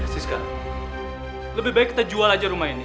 lebih baik kita jual aja rumah ini